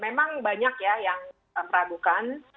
memang banyak ya yang meragukan